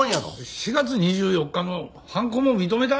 ４月２４日の犯行も認めた！？